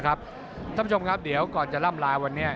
ท่านผู้ชมครับก่อนจะล่ำไลน์วันนี้